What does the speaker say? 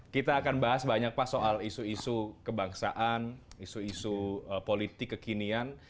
kita akan bahas banyak pak soal isu isu kebangsaan isu isu politik kekinian